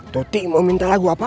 doti mau minta lagu apa